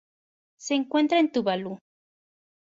Se encuentra en Tuvalu.